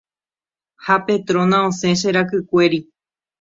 ha Petrona osẽ che rakykuéri.